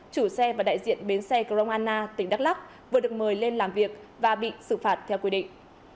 chủ xe và đại diện bến xe grong anna tỉnh đắk lắc vừa được mời lên làm việc và bị xử phạt theo quy định